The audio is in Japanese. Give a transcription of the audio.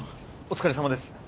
お疲れさまです。